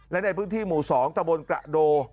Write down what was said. และในพื้นที่หมู่๒ตะบนกระโด